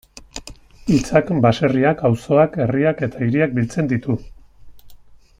Hitzak baserriak, auzoak, herriak eta hiriak biltzen ditu.